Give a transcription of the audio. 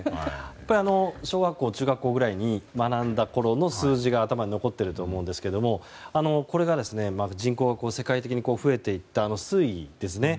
やっぱり小学校中学校ぐらいの時に学んだ数字が残っていると思いますがこれが人口が世界的に増えていった推移ですね。